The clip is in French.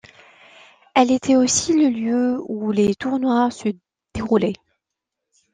Elle était aussi le lieu où les tournois se déroulaient.